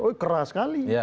oh keras sekali